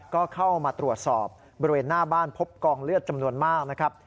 ก็เข้ามาตรวจสอบบริเวณหน้าบ้านพบกองเลือดจำนวนมากนะครับ